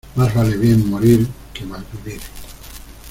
Más vale bien morir que mal vivir.